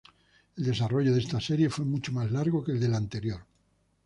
El desarrollo de esta serie fue mucho más largo que el de la anterior.